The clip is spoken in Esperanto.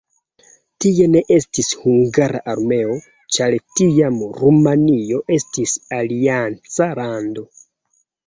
Tie ne estis hungara armeo, ĉar tiam Rumanio estis alianca lando.